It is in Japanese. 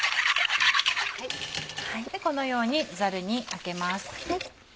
このようにザルにあけます。